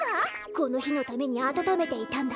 このひのためにあたためていたんだ。